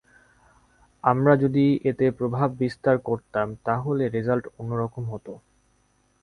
আমরা যদি এতে প্রভাব বিস্তার করতাম, তাহলে রেজাল্ট অন্য রকম হতো।